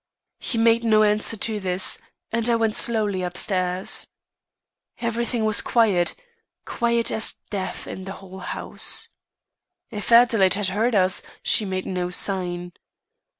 "He made no answer to this, and I went slowly upstairs. Everything was quiet quiet as death in the whole house. If Adelaide had heard us, she made no sign.